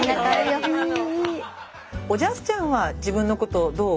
おじゃすちゃんは自分のことどう？